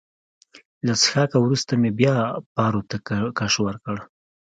له څښاکه وروسته مې بیا پارو ته کش ورکړ.